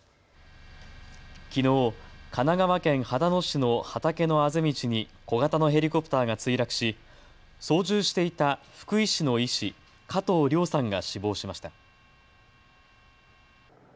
きのう、神奈川県秦野市の畑のあぜ道に小型のヘリコプターが墜落し、操縦していた福井市の医師、加藤諒さんが死亡しました。